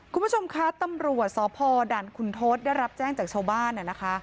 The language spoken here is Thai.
คุณผู้ชมคะตำรวจสพด่านคุณทศได้รับแจ้งจากชาวบ้านนะคะ